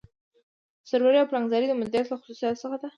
سروې او پلانګذاري د مدیریت له خصوصیاتو څخه دي.